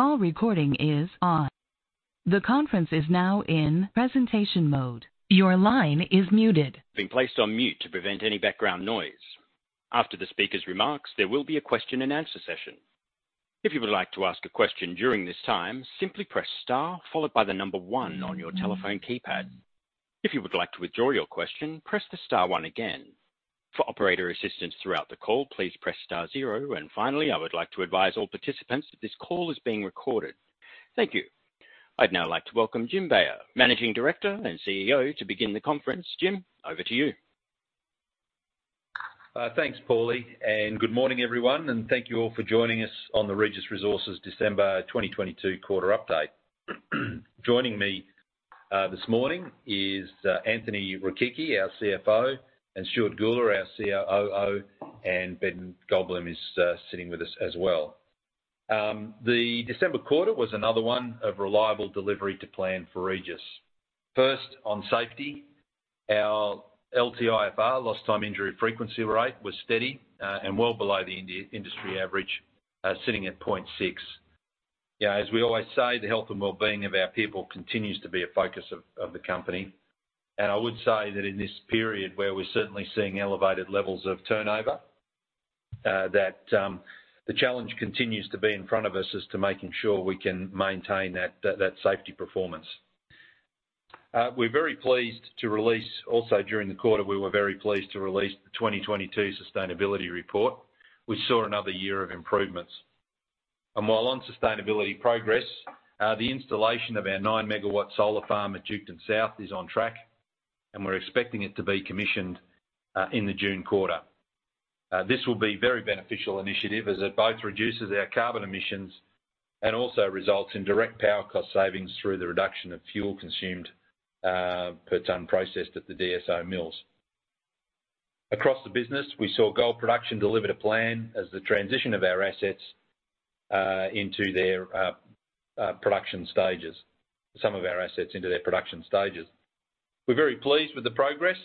Been placed on mute to prevent any background noise. After the speaker's remarks, there will be a question and answer session. If you would like to ask a question during this time, simply press star followed by the number one on your telephone keypad. If you would like to withdraw your question, press the star one again. For operator assistance throughout the call, please press star zero. Finally, I would like to advise all participants that this call is being recorded. Thank you. I'd now like to welcome Jim Beyer, Managing Director and CEO, to begin the conference. Jim, over to you. Thanks, Paulie, good morning, everyone, and thank you all for joining us on the Regis Resources December 2022 quarter update. Joining me this morning is Anthony Rechichi, our CFO, and Stuart Gula, our COO, and Ben Goldbloom is sitting with us as well. The December quarter was another one of reliable delivery to plan for Regis. First, on safety, our LTIFR, lost time injury frequency rate, was steady and well below the industry average, sitting at 0.6. As we always say, the health and well-being of our people continues to be a focus of the company. I would say that in this period, where we're certainly seeing elevated levels of turnover, that the challenge continues to be in front of us as to making sure we can maintain that safety performance. Also, during the quarter, we were very pleased to release the 2022 sustainability report, which saw another year of improvements. While on sustainability progress, the installation of our 9 MW solar farm at Duketon South is on track, and we're expecting it to be commissioned in the June quarter. This will be very beneficial initiative as it both reduces our carbon emissions and also results in direct power cost savings through the reduction of fuel consumed per ton processed at the DSO mills. Across the business, we saw gold production deliver to plan as the transition of our assets into their production stages. We're very pleased with the progress,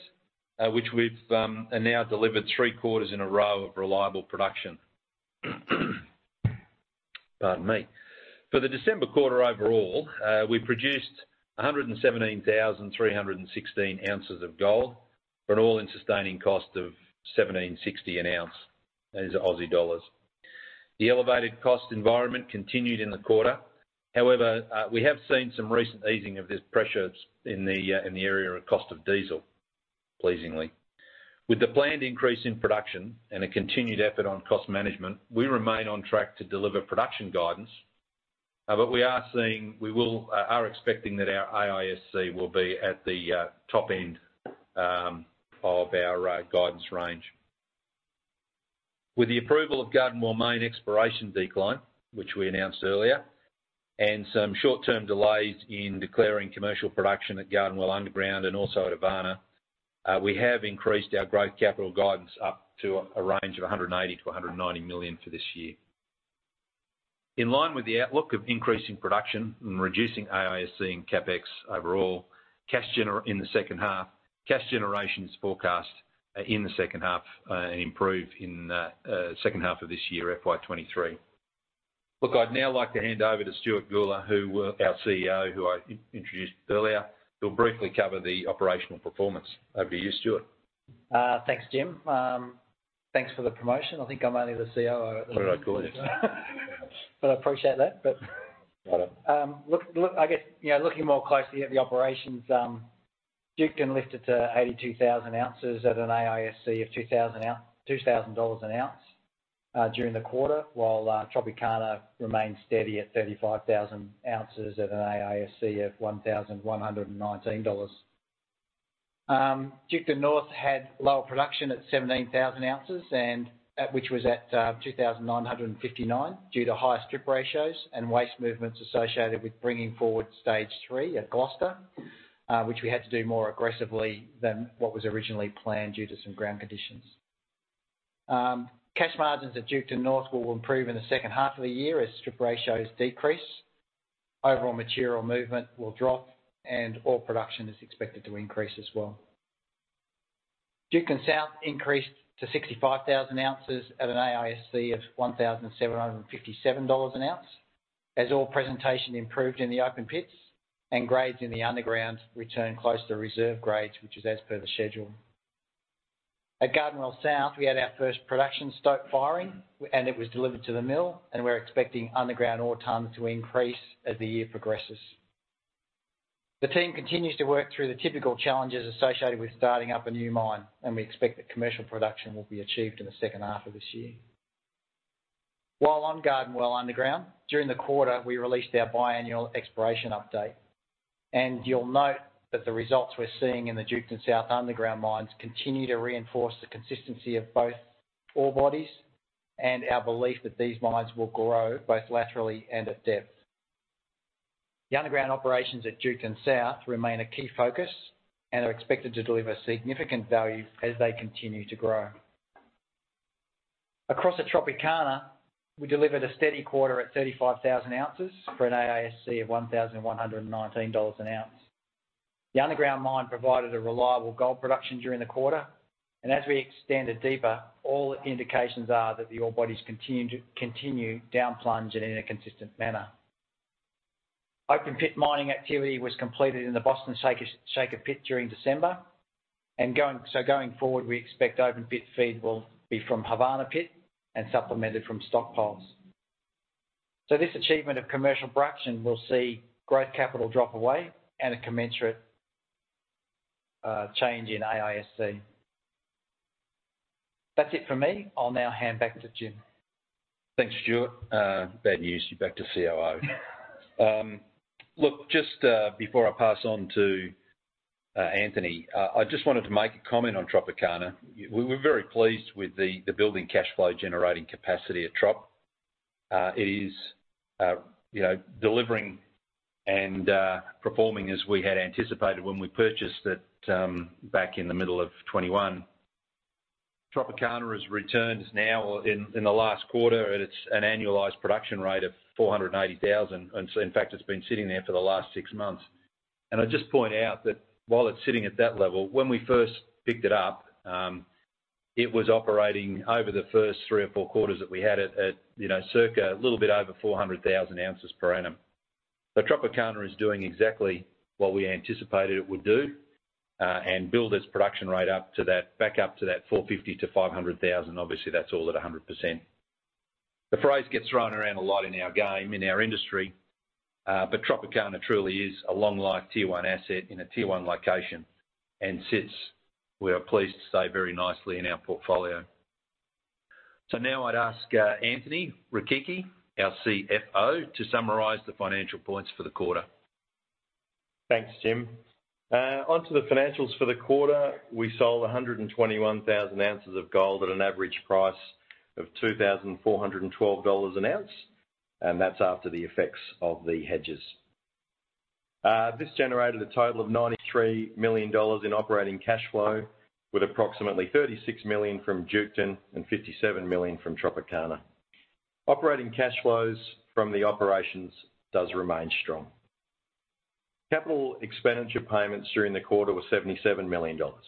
which we've now delivered three quarters in a row of reliable production. Pardon me. For the December quarter overall, we produced 117,316 ounces of gold for an all-in sustaining cost of 1,760 an ounce. That is Aussie dollars. The elevated cost environment continued in the quarter. However, we have seen some recent easing of this pressure in the area of cost of diesel, pleasingly. With the planned increase in production and a continued effort on cost management, we remain on track to deliver production guidance. We are expecting that our AISC will be at the top end of our guidance range. With the approval of Garden Well main exploration decline, which we announced earlier, and some short-term delays in declaring commercial production at Garden Well underground and also at Havana, we have increased our growth capital guidance up to a range of 180 million-190 million for this year. In line with the outlook of increasing production and reducing AISC and CapEx overall, in the second half, cash generation is forecast in the second half, improve in second half of this year, FY 2023. Look, I'd now like to hand over to Stuart Gula, our CEO, who I introduced earlier, who'll briefly cover the operational performance. Over to you, Stuart. Thanks, Jim. Thanks for the promotion. I think I'm only the COO. What did I call you? I appreciate that. Got it. I guess, you know, looking more closely at the operations, Duketon lifted to 82,000 oz at an AISC of 2,000 dollars an ounce during the quarter, while Tropicana remained steady at 35,000 ounces at an AISC of 1,119 dollars. Duketon North had lower production at 17,000 ounces, which was at 2,959 due to higher strip ratios and waste movements associated with bringing forward stage three at Gloucester, which we had to do more aggressively than what was originally planned due to some ground conditions. Cash margins at Duketon North will improve in the second half of the year as strip ratios decrease. Overall material movement will drop, and ore production is expected to increase as well. Duketon South increased to 65,000 oz at an AISC of 1,757 dollars an ounce as ore presentation improved in the open pits and grades in the underground returned close to reserve grades, which is as per the schedule. At Garden Well South, we had our first production stope firing, and it was delivered to the mill. We're expecting underground ore tone to increase as the year progresses. The team continues to work through the typical challenges associated with starting up a new mine. We expect that commercial production will be achieved in the second half of this year. While on Garden Well underground, during the quarter, we released our biannual exploration update. You'll note that the results we're seeing in the Duketon South underground mines continue to reinforce the consistency of both ore bodies and our belief that these mines will grow both laterally and at depth. The underground operations at Duketon South remain a key focus and are expected to deliver significant value as they continue to grow. Across the Tropicana, we delivered a steady quarter at 35,000 oz for an AISC of 1,119 dollars an ounce. The underground mine provided a reliable gold production during the quarter, and as we extend it deeper, all indications are that the ore bodies continue down plunge and in a consistent manner. Open pit mining activity was completed in the Boston Shaker pit during December. Going forward, we expect open pit feed will be from Havana pit and supplemented from stockpiles. This achievement of commercial production will see growth capital drop away and a commensurate change in AISC. That's it for me. I'll now hand back to Jim. Thanks, Stuart. Bad news, you're back to COO. Look, just before I pass on to Anthony, I just wanted to make a comment on Tropicana. We're very pleased with the building cash flow generating capacity at Trop. It is, you know, delivering and performing as we had anticipated when we purchased it back in the middle of 2021. Tropicana has returned now in the last quarter at its, an annualized production rate of 480,000, In fact, it's been sitting there for the last six months. I'd just point out that while it's sitting at that level, when we first picked it up, it was operating over the first three or four quarters that we had it at, you know, circa a little bit over 400,000 oz per annum. Tropicana is doing exactly what we anticipated it would do and build its production rate up to that, back up to that 450,000-500,000. Obviously, that's all at 100%. The phrase gets thrown around a lot in our game, in our industry, but Tropicana truly is a long-life tier one asset in a tier one location and sits, we are pleased to say, very nicely in our portfolio. Now I'd ask, Anthony Rechichi, our CFO, to summarize the financial points for the quarter. Thanks, Jim. Onto the financials for the quarter. We sold 121,000 oz of gold at an average price of 2,412 dollars an ounce, and that's after the effects of the hedges. This generated a total of 93 million dollars in operating cash flow, with approximately 36 million from Duketon and 57 million from Tropicana. Operating cash flows from the operations does remain strong. Capital expenditure payments during the quarter were 77 million dollars.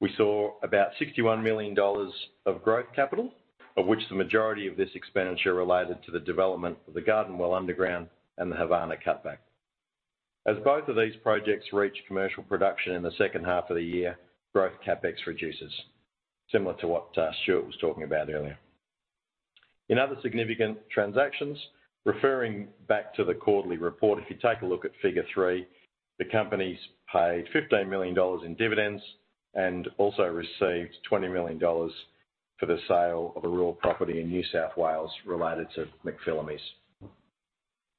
We saw about 61 million dollars of growth capital, of which the majority of this expenditure related to the development of the Garden Well underground and the Havana cutback. As both of these projects reach commercial production in the second half of the year, growth CapEx reduces, similar to what Stuart was talking about earlier. In other significant transactions, referring back to the quarterly report, if you take a look at figure three, the companies paid 15 million dollars in dividends and also received 20 million dollars for the sale of a rural property in New South Wales related to McPhillamys.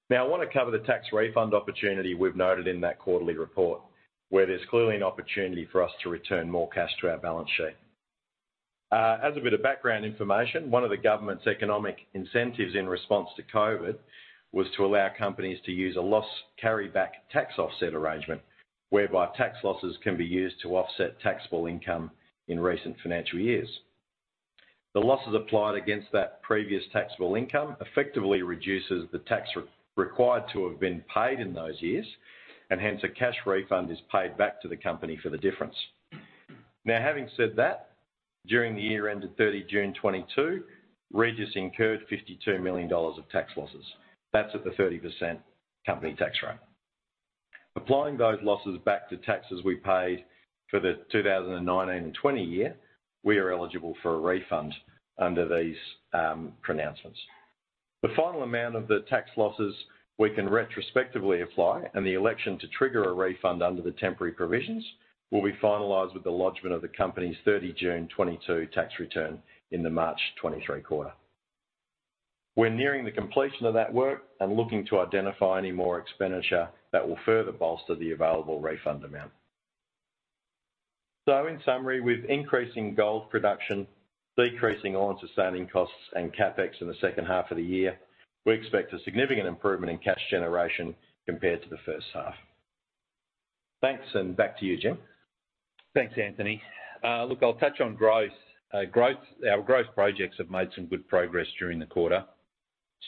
Now, I wanna cover the tax refund opportunity we've noted in that quarterly report, where there's clearly an opportunity for us to return more cash to our balance sheet. As a bit of background information, one of the government's economic incentives in response to COVID was to allow companies to use a loss carry-back tax offset arrangement, whereby tax losses can be used to offset taxable income in recent financial years. The losses applied against that previous taxable income effectively reduces the tax re-required to have been paid in those years, hence a cash refund is paid back to the company for the difference. Now, having said that, during the year ended 30 June 2022, Regis incurred 52 million dollars of tax losses. That's at the 30% company tax rate. Applying those losses back to taxes we paid for the 2019 and 2020 year, we are eligible for a refund under these pronouncements. The final amount of the tax losses we can retrospectively apply and the election to trigger a refund under the temporary provisions will be finalized with the lodgment of the company's 30 June 2022 tax return in the March 2023 quarter. We're nearing the completion of that work and looking to identify any more expenditure that will further bolster the available refund amount. In summary, with increasing gold production, decreasing all sustaining costs and CapEx in the second half of the year, we expect a significant improvement in cash generation compared to the first half. Thanks, back to you, Jim. Thanks, Anthony. Look, I'll touch on growth. Our growth projects have made some good progress during the quarter.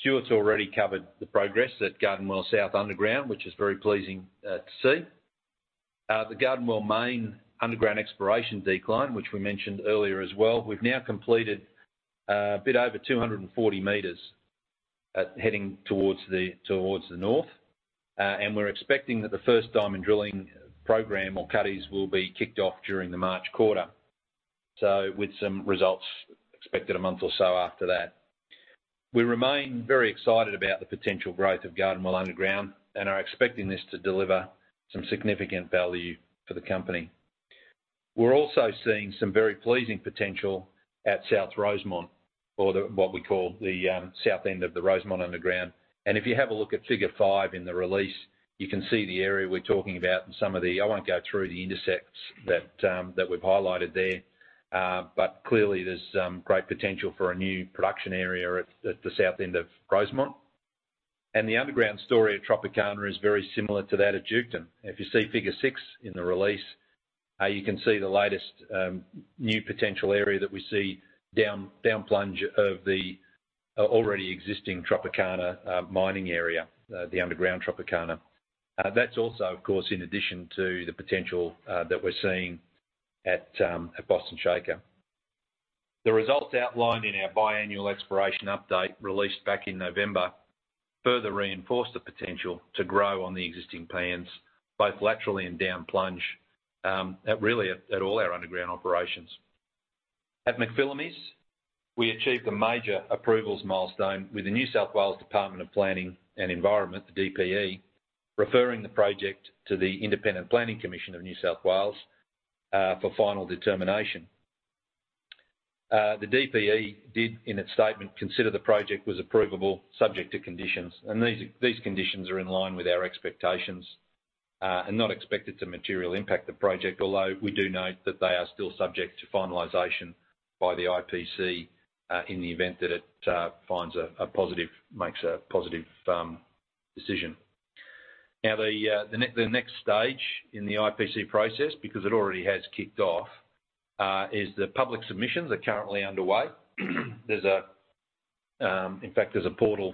Stuart's already covered the progress at Garden Well South Underground, which is very pleasing to see. The Garden Well main underground exploration decline, which we mentioned earlier as well, we've now completed a bit over 240 m heading towards the north. We're expecting that the first diamond drilling program or cuttings will be kicked off during the March quarter. With some results expected a month or so after that. We remain very excited about the potential growth of Garden Well Underground and are expecting this to deliver some significant value for the company. We're also seeing some very pleasing potential at South Rosemont or what we call the south end of the Rosemont Underground. If you have a look at figure five in the release, you can see the area we're talking about and some of the, I won't go through the intersects that we've highlighted there. Clearly there's great potential for a new production area at the south end of Rosemont. The underground story at Tropicana is very similar to that at Duketon. If you see figure six in the release. You can see the latest new potential area that we see down plunge of the already existing Tropicana mining area, the underground Tropicana. That's also, of course, in addition to the potential that we're seeing at Boston Shaker. The results outlined in our biannual exploration update, released back in November, further reinforced the potential to grow on the existing plans, both laterally and down plunge, at all our underground operations. At McPhillamys, we achieved a major approvals milestone with the New South Wales Department of Planning and Environment, the DPE, referring the project to the Independent Planning Commission of New South Wales for final determination. The DPE did, in its statement, consider the project was approvable subject to conditions. These conditions are in line with our expectations and not expected to materially impact the project. Although, we do note that they are still subject to finalization by the IPC, in the event that it makes a positive decision. The next stage in the IPC process, because it already has kicked off, is the public submissions are currently underway. There's a, in fact, there's a portal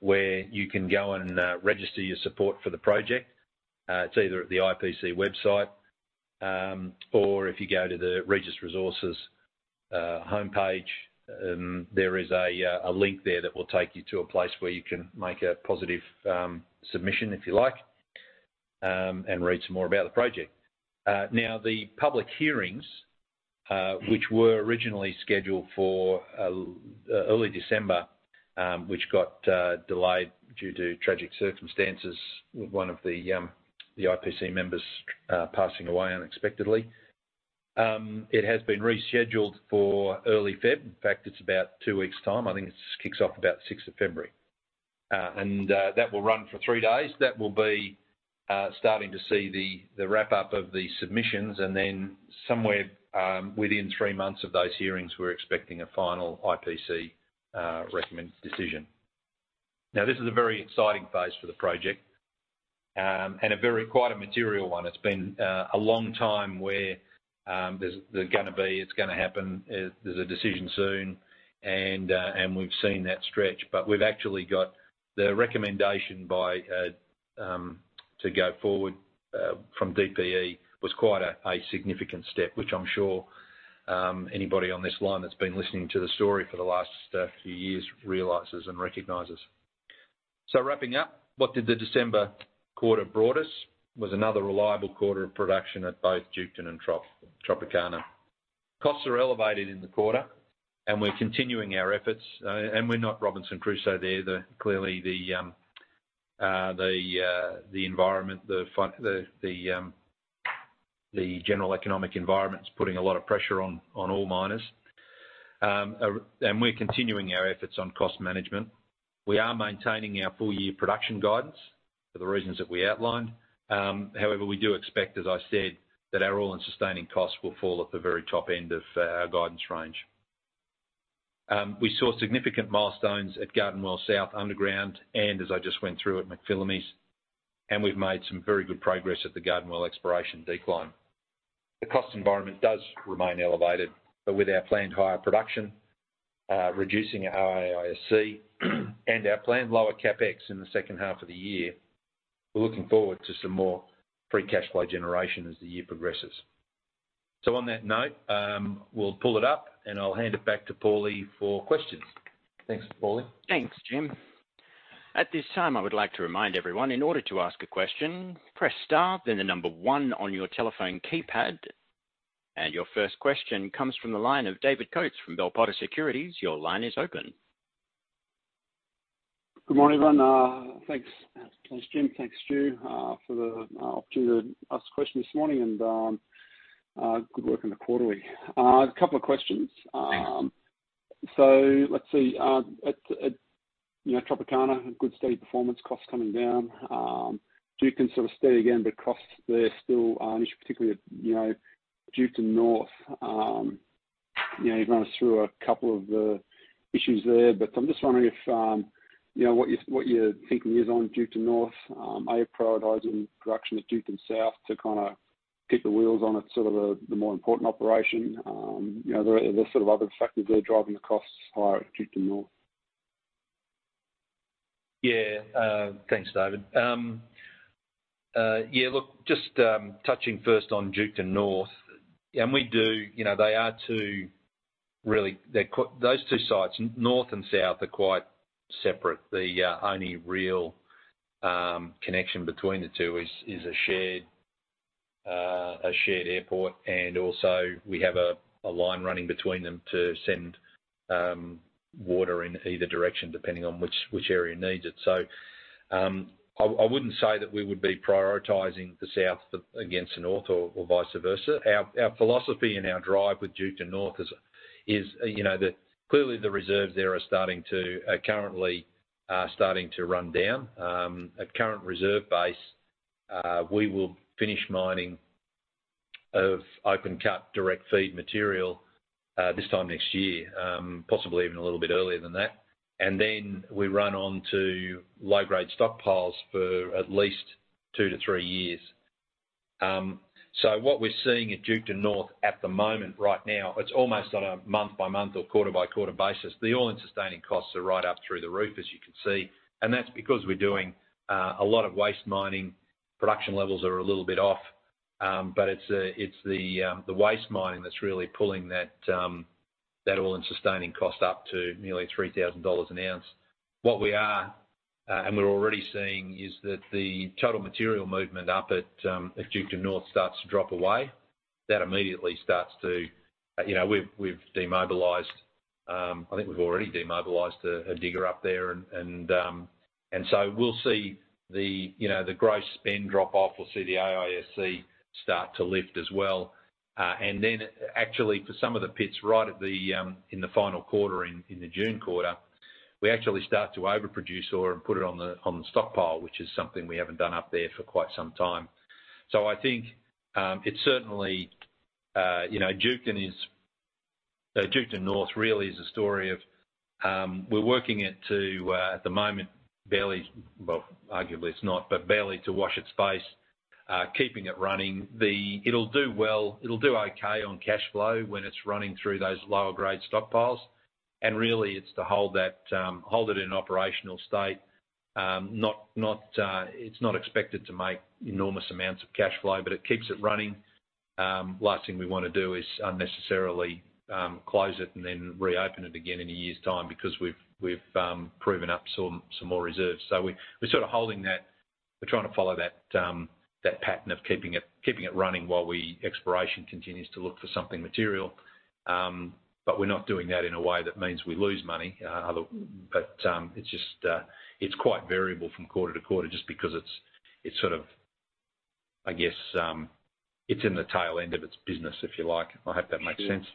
where you can go and register your support for the project. It's either at the IPC website, or if you go to the Regis Resources homepage, there is a link there that will take you to a place where you can make a positive submission, if you like, and read some more about the project. The public hearings, which were originally scheduled for early December, which got delayed due to tragic circumstances with one of the IPC members passing away unexpectedly. It has been rescheduled for early Feb. In fact, it's about two weeks' time. I think it just kicks off about the 6th of February. That will run for three days. That will be starting to see the wrap-up of the submissions. Somewhere within three months of those hearings, we're expecting a final IPC recommended decision. Now, this is a very exciting phase for the project, and quite a material one. It's been a long time where there's gonna be, it's gonna happen. There's a decision soon, we've seen that stretch. We've actually got the recommendation by to go forward from DPE, was quite a significant step. Which I'm sure anybody on this line that's been listening to the story for the last few years realizes and recognizes. Wrapping up, what did the December quarter brought us? Was another reliable quarter of production at both Duketon and Tropicana. Costs are elevated in the quarter. We're continuing our efforts. We're not Robinson Crusoe there. Clearly the environment, the general economic environment's putting a lot of pressure on all miners. We're continuing our efforts on cost management. We are maintaining our full-year production guidance for the reasons that we outlined. We do expect, as I said, that our all-in sustaining costs will fall at the very top end of our guidance range. We saw significant milestones at Garden Well South underground and, as I just went through, at McPhillamys. We've made some very good progress at the Garden Well exploration decline. The cost environment does remain elevated, but with our planned higher production, reducing our AISC, and our planned lower CapEx in the second half of the year, we're looking forward to some more free cash flow generation as the year progresses. On that note, we'll pull it up, and I'll hand it back to Paulie for questions. Thanks, Paulie. Thanks, Jim. At this time, I would like to remind everyone, in order to ask a question, press star then the number one on your telephone keypad. Your first question comes from the line of David Coates from Bell Potter Securities. Your line is open. Good morning, everyone. Thanks. Thanks, Jim. Thanks, Stu, for the opportunity to ask a question this morning. Good work on the quarterly. A couple of questions. So let's see. At, you know, Tropicana, good steady performance, costs coming down. Duketon sort of steady again, but costs there still an issue, particularly, you know, Duketon North. You know, you've run us through a couple of the issues there. I'm just wondering if, you know, what your, what your thinking is on Duketon North. Are you prioritizing production at Duketon South to kinda keep the wheels on at sort of the more important operation? You know, are there sort of other factors that are driving the costs higher at Duketon North? Yeah. Thanks, David. Yeah, look, just touching first on Duketon North. You know, those two sites, North and South, are quite separate. The only real connection between the two is a shared airport. Also we have a line running between them to send water in either direction, depending on which area needs it. I wouldn't say that we would be prioritizing the South against the North or vice versa. Our philosophy and our drive with Duketon North is, you know, clearly the reserves there are currently starting to run down. At current reserve base, we will finish mining of open cut direct feed material this time next year, possibly even a little bit earlier than that. We run on to low-grade stockpiles for at least two to three years. What we're seeing at Duketon North at the moment right now, it's almost on a month-by-month or quarter-by-quarter basis. The oil and sustaining costs are right up through the roof, as you can see, and that's because we're doing a lot of waste mining. Production levels are a little bit off, but it's the waste mining that's really pulling that oil and sustaining cost up to nearly 3,000 dollars an ounce. What we are, and we're already seeing, is that the total material movement up at Duketon North starts to drop away. You know, we've demobilized, I think we've already demobilized a digger up there and, we'll see the, you know, the gross spend drop off. We'll see the AISC start to lift as well. Actually for some of the pits right at the in the final quarter, in the June quarter, we actually start to overproduce ore and put it on the, on the stockpile, which is something we haven't done up there for quite some time. I think, it's certainly, you know, Duketon is, Duketon North really is a story of, we're working it to at the moment, barely, well, arguably it's not, but barely to wash its face, keeping it running. It'll do well. It'll do okay on cashflow when it's running through those lower grade stockpiles. Really, it's to hold that, hold it in operational state. Not, it's not expected to make enormous amounts of cash flow, but it keeps it running. Last thing we wanna do is unnecessarily close it and then reopen it again in a year's time because we've proven up some more reserves. We, we're sort of holding that. We're trying to follow that pattern of keeping it running while exploration continues to look for something material. We're not doing that in a way that means we lose money. It's just, it's quite variable from quarter to quarter just because it's sort of, I guess, it's in the tail end of its business, if you like. I hope that makes sense.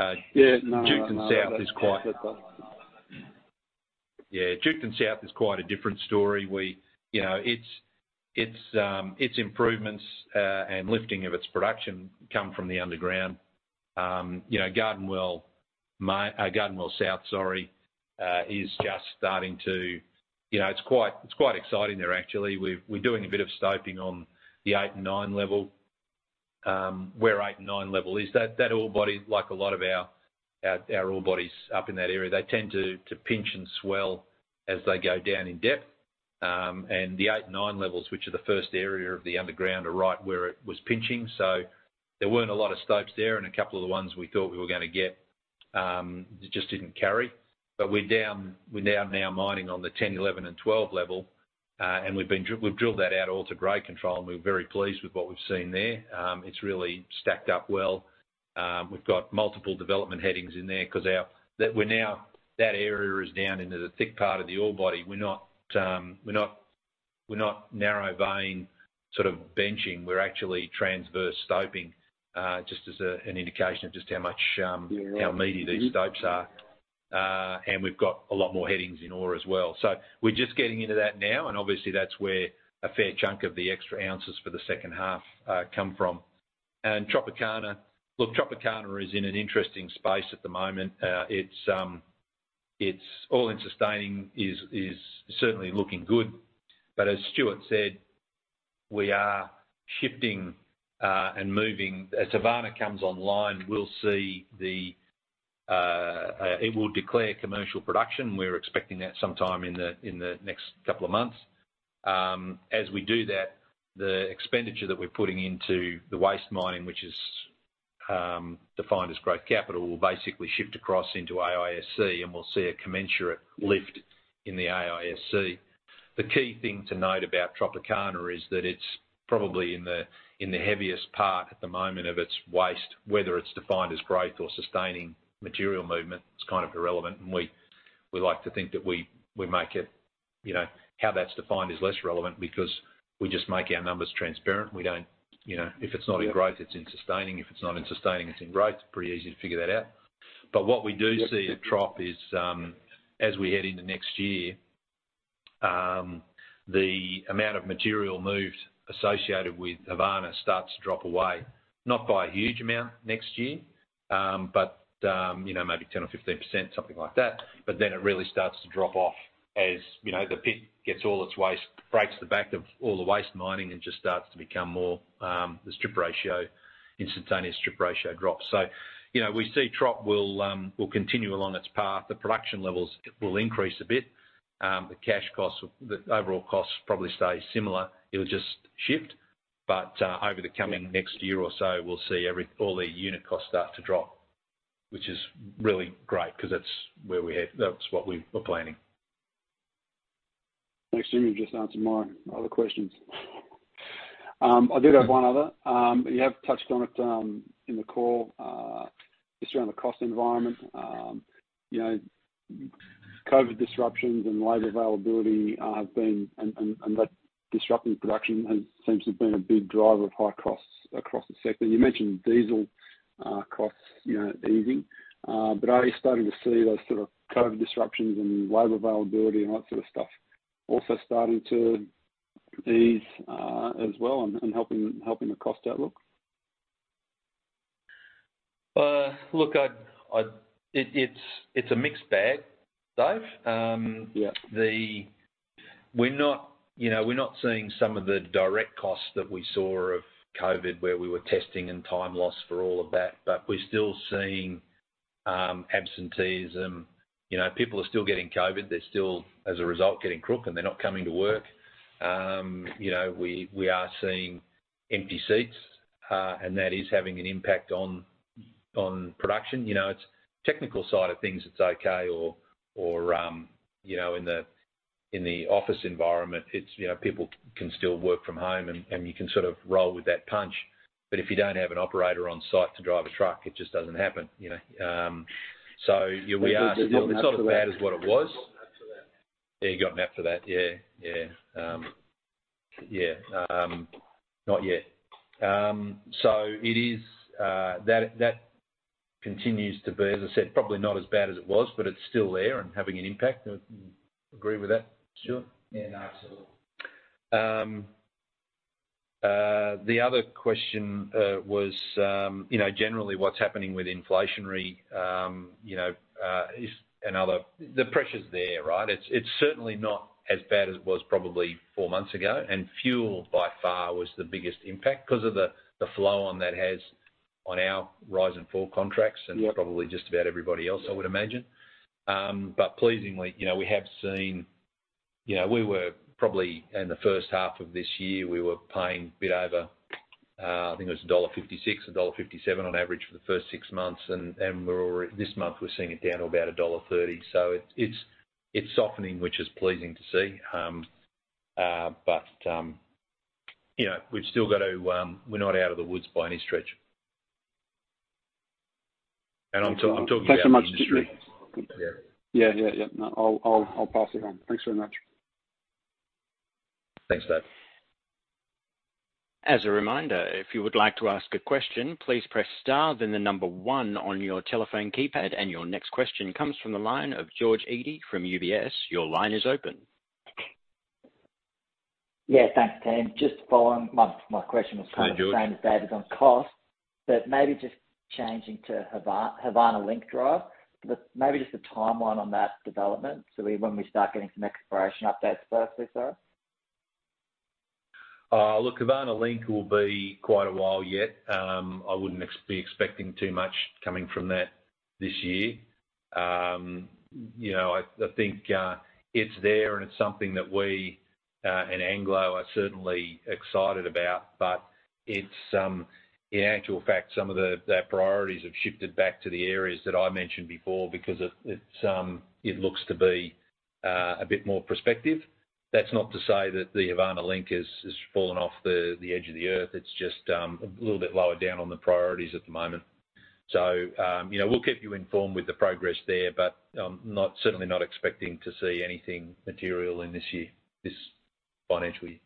Sure. Yeah, no. Duketon South is quite. No. Yeah. Duketon South is quite a different story. We, you know, it's its improvements and lifting of its production come from the underground. You know, Garden Well South, sorry, is just starting to. You know, it's quite exciting there actually. We're doing a bit of stoping on the eight and nine level, where eight and nine level is. That ore body, like a lot of our ore bodies up in that area, they tend to pinch and swell as they go down in depth. The eight and nine levels, which are the first area of the underground, are right where it was pinching. There weren't a lot of stopes there, and a couple of the ones we thought we were gonna get just didn't carry. We're down now mining on the 10, 11, and 12 level. And we've drilled that out all to grade control, and we're very pleased with what we've seen there. It's really stacked up well. We've got multiple development headings in there that area is down into the thick part of the ore body. We're not narrow vein sort of benching. We're actually transverse stoping, just as a, an indication of just how much, how meaty these stopes are. We've got a lot more headings in ore as well. We're just getting into that now, and obviously that's where a fair chunk of the extra ounces for the second half come from. Tropicana. Look, Tropicana is in an interesting space at the moment. It's oil and sustaining is certainly looking good. As Stuart said, we are shifting and moving. Havana comes online, we'll see the it will declare commercial production. We're expecting that sometime in the next couple of months. We do that, the expenditure that we're putting into the waste mining, which is defined as growth capital, will basically shift across into AISC, and we'll see a commensurate lift in the AISC. The key thing to note about Tropicana is that it's probably in the, in the heaviest part at the moment of its waste. Whether it's defined as growth or sustaining material movement, it's kind of irrelevant. We, we like to think that we make it, you know, how that's defined is less relevant because we just make our numbers transparent. We don't, you know, if it's not in growth, it's in sustaining. If it's not in sustaining, it's in growth. Pretty easy to figure that out. What we do see at Trop is, as we head into next year, the amount of material moved associated with Havana starts to drop away. Not by a huge amount next year, but, you know, maybe 10% or 15%, something like that. It really starts to drop off as, you know, the pit gets all its waste, breaks the back of all the waste mining and just starts to become more, the strip ratio, instantaneous strip ratio drops. You know, we see Trop will continue along its path. The production levels will increase a bit. The cash costs, the overall costs probably stay similar. It'll just shift. Over the coming next year or so, we'll see all the unit costs start to drop, which is really great 'cause that's what we were planning. Thanks, Jim. You've just answered my other questions. I did have one other. You have touched on it in the call just around the cost environment. You know, COVID disruptions and labor availability have been, and that disrupting production has seems to have been a big driver of high costs across the sector. You mentioned diesel costs, you know, easing. Are you starting to see those sort of COVID disruptions and labor availability and that sort of stuff also starting to These, as well and helping the cost outlook? Look, it's a mixed bag, Dave. Yeah. We're not, you know, we're not seeing some of the direct costs that we saw of COVID, where we were testing and time lost for all of that. We're still seeing absenteeism. You know, people are still getting COVID. They're still, as a result, getting crook, and they're not coming to work. You know, we are seeing empty seats, and that is having an impact on production. You know, it's technical side of things it's okay or, in the office environment, it's, you know, people can still work from home and you can sort of roll with that punch. If you don't have an operator on site to drive a truck, it just doesn't happen, you know? It's not as bad as what it was. After that. Yeah, you gotten after that. Yeah, yeah. Yeah. Not yet. It is, that continues to be, as I said, probably not as bad as it was, but it's still there and having an impact. Do you agree with that, Stuart? Yeah. No, absolutely. The other question was, you know, generally what's happening with inflationary, you know, The pressure's there, right? It's certainly not as bad as it was probably four months ago. Fuel by far was the biggest impact 'cause of the flow on that has on our rise and fall contracts. Yeah Probably just about everybody else, I would imagine. Pleasingly, you know, we have seen. You know, we were probably in the first half of this year, we were paying a bit over, I think it was dollar 1.56, dollar 1.57 on average for the first six months. This month we're seeing it down to about dollar 1.30. It's softening, which is pleasing to see. You know, we've still got to, we're not out of the woods by any stretch. I'm talking about the industry. Thanks so much, Jim. Yeah. Yeah. Yeah, yeah. No, I'll pass it on. Thanks very much. Thanks, Dave. As a reminder, if you would like to ask a question, please press star then the number one on your telephone keypad. Your next question comes from the line of George Eadie from UBS. Your line is open. Yeah, thanks, team. My question was kind of- Hi, George. Same as David's on cost. Maybe just changing to Havana Link Drive. Maybe just the timeline on that development. When we start getting some exploration updates firstly, sir? Look, Havana Link will be quite a while yet. I wouldn't be expecting too much coming from that this year. You know, I think it's there and it's something that we and Anglo are certainly excited about. It's in actual fact, some of their priorities have shifted back to the areas that I mentioned before because of it's it looks to be a bit more prospective. That's not to say that the Havana Link has fallen off the edge of the Earth. It's just a little bit lower down on the priorities at the moment. You know, we'll keep you informed with the progress there, but I'm not, certainly not expecting to see anything material in this year, this financial year.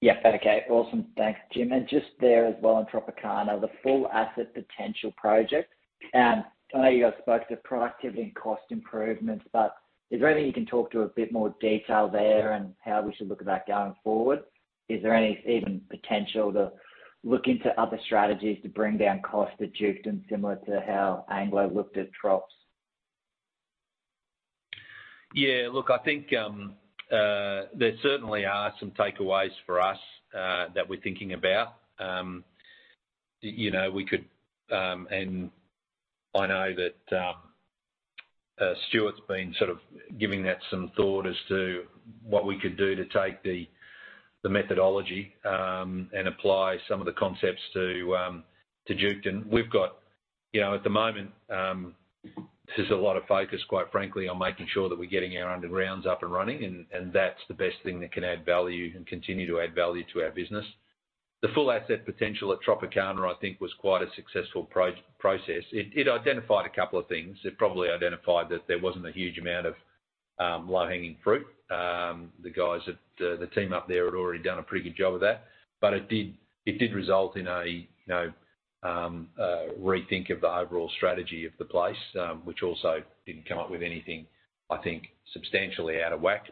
Yeah. Okay. Awesome. Thanks, Jim. Just there as well on Tropicana, the Full Asset Potential project. I know you guys spoke to productivity and cost improvements, but is there anything you can talk to a bit more detail there and how we should look at that going forward? Is there any even potential to look into other strategies to bring down cost at Duketon and similar to how Anglo looked at Trops? Yeah, look, I think there certainly are some takeaways for us that we're thinking about. You know, we could. I know that Stuart's been sort of giving that some thought as to what we could do to take the methodology and apply some of the concepts to Duketon. You know, at the moment, there's a lot of focus, quite frankly, on making sure that we're getting our undergrounds up and running, and that's the best thing that can add value and continue to add value to our business. The Full Asset Potential at Tropicana, I think was quite a successful process. It, it identified a couple of things. It probably identified that there wasn't a huge amount of low-hanging fruit. The guys at the team up there had already done a pretty good job of that. It did result in a, you know, rethink of the overall strategy of the place, which also didn't come up with anything, I think, substantially out of whack.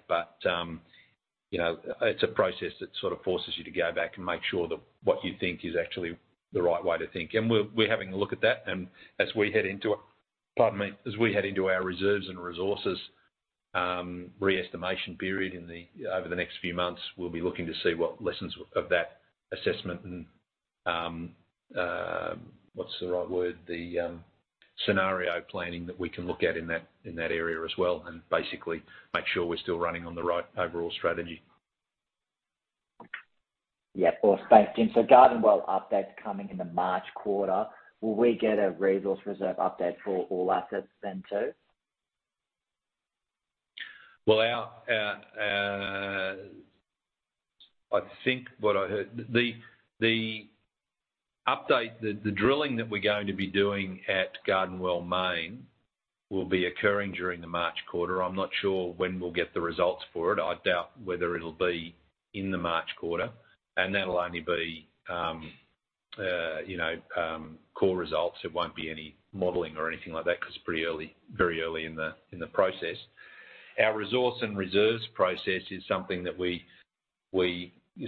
You know, it's a process that sort of forces you to go back and make sure that what you think is actually the right way to think. We're having a look at that. As we head into, pardon me, as we head into our reserves and resources, re-estimation period in the, over the next few months, we'll be looking to see what lessons of that assessment and, what's the right word? The scenario planning that we can look at in that, in that area as well, and basically make sure we're still running on the right overall strategy. Yeah. Awesome. Thanks, Jim. Garden Well updates coming in the March quarter. Will we get a resource reserve update for all assets then too? I think what I heard. The update, the drilling that we're going to be doing at Garden Well Main will be occurring during the March Quarter. I'm not sure when we'll get the results for it. I doubt whether it'll be in the March Quarter, and that'll only be, you know, core results. It won't be any modeling or anything like that because it's pretty early, very early in the process. Our resource and reserves process is something that we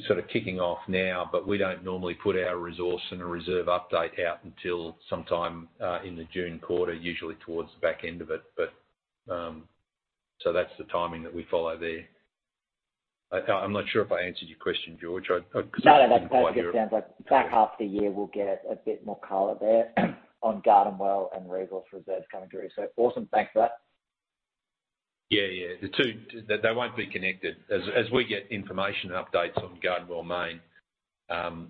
sort of kicking off now, but we don't normally put our resource and a reserve update out until sometime in the June Quarter, usually towards the back end of it. That's the timing that we follow there. I'm not sure if I answered your question, George. No, no, that's perfect. I didn't quite hear. It sounds like back half of the year we'll get a bit more color there on Garden Well and resource reserves coming through. Awesome. Thanks for that. Yeah. The two, they won't be connected. As we get information updates on Garden Well Main,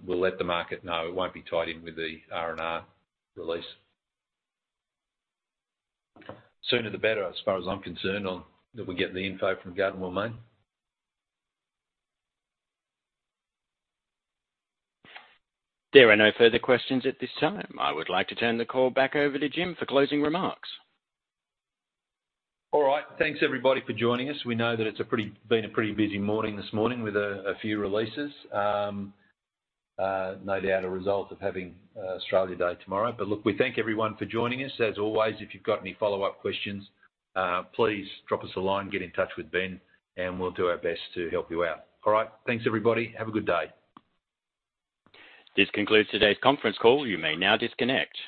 we'll let the market know. It won't be tied in with the RNR release. Sooner the better as far as I'm concerned on that we get the info from Garden Well Main. There are no further questions at this time. I would like to turn the call back over to Jim for closing remarks. All right. Thanks everybody for joining us. We know that it's been a pretty busy morning this morning with a few releases. No doubt a result of having Australia Day tomorrow. Look, we thank everyone for joining us. As always, if you've got any follow-up questions, please drop us a line, get in touch with Ben, we'll do our best to help you out. All right. Thanks, everybody. Have a good day. This concludes today's conference call. You may now disconnect.